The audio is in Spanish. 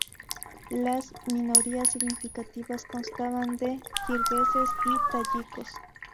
Las minorías significativas constaban de kirguises y tayikos.